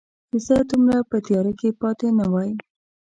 چې زه دومره په تیاره کې پاتې نه وای